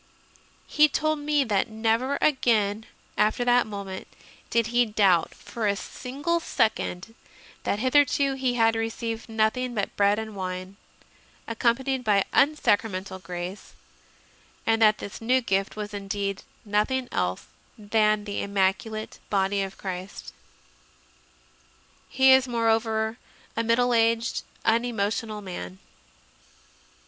He told me that never again after that moment did he doubt for a single second that hitherto he had received nothing but bread and wine, accompanied by unsacramental grace, and that this new gift i 3 4 CONFESSIONS OF A CONVERT was indeed nothing else than the Immaculate Body of Christ. He is, moreover, a middle aged, unemotional man.